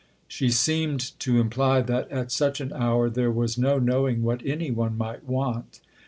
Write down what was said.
She seemed to imply that at such an hour there was no knowing what any one might want.